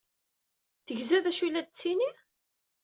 Tegza d acu ay la d-tettini?